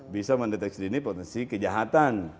bisa mendeteksi di ini potensi kejahatan